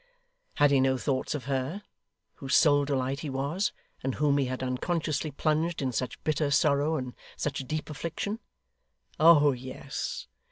Had he no thoughts of her, whose sole delight he was, and whom he had unconsciously plunged in such bitter sorrow and such deep affliction? Oh, yes.